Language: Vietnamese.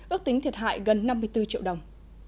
ước tính thiệt hại gần năm mươi bốn triệu đồng